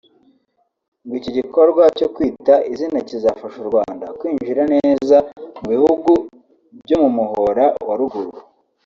ngo iki gikorwa cyo Kwita Izina kizafasha u Rwanda kwinjira neza mu bihugu byo mu Muhora wa Ruguru